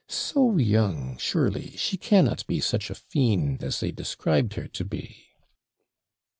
So young, surely she cannot be such a fiend as they described her to be!'